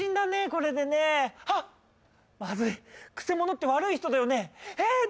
これでねあっまずいくせ者って悪い人だよねえっ